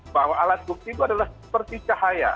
bahwa alat bukti itu adalah seperti cahaya